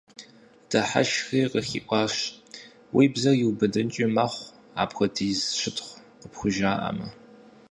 Дыхьэшхри, къыхиӀуащ: – Уи бзэр иубыдынкӀи мэхъу, апхуэдиз щытхъу къыпхужаӀэмэ.